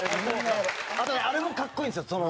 あとあれも格好いいんですよ。